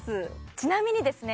ちなみにですね